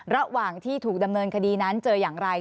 ระหว่างที่ถูกดำเนินคดีนั้นเจออย่างไร